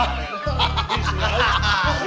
gak ada ada bener